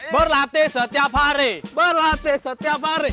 berlatih setiap hari